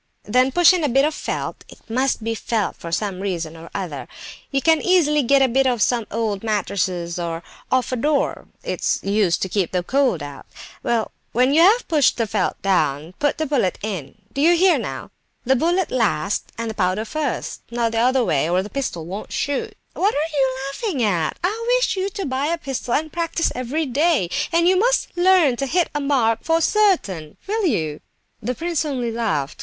Then push in a bit of felt (it must be felt, for some reason or other); you can easily get a bit off some old mattress, or off a door; it's used to keep the cold out. Well, when you have pushed the felt down, put the bullet in; do you hear now? The bullet last and the powder first, not the other way, or the pistol won't shoot. What are you laughing at? I wish you to buy a pistol and practise every day, and you must learn to hit a mark for certain; will you?" The prince only laughed.